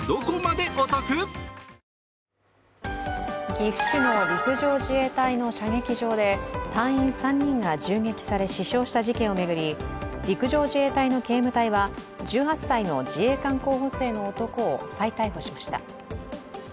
岐阜市の陸上自衛隊の射撃場で隊員３人が銃撃され死傷した事件を巡り、陸上自衛隊の警務隊は１８歳の自衛官候補生の男を再逮捕しました。